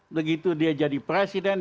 begitu dia jadi presiden